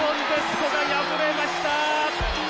古賀敗れました。